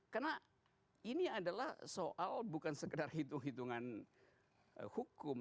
karena ini adalah soal bukan sekedar hitung hitungan hukum